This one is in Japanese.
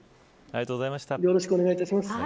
中西さんありがとうございました。